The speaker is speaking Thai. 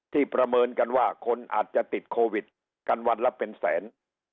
ประเมินกันว่าคนอาจจะติดโควิดกันวันละเป็นแสน